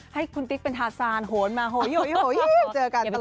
ให้คุณติ๊กเป็นทาซานโหนมาโหยเจอกันตลอด